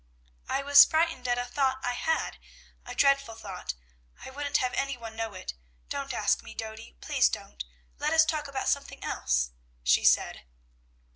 "I was frightened at a thought I had, a dreadful thought; I wouldn't have any one know it. Don't ask me, Dody, please don't; let us talk about something else," she said.